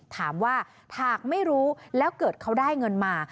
ถามว่าหากไม่รู้แล้วเกิดเขาได้เงินมา